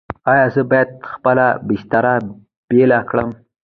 ایا زه باید خپله بستر بیله کړم؟